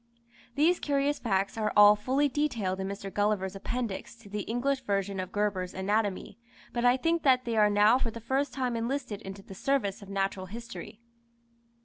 These curious facts are all fully detailed in Mr. Gulliver's Appendix to the English version of Gerber's Anatomy, but I think that they are now for the first time enlisted into the service of Natural History.